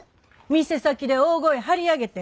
店先で大声張り上げて。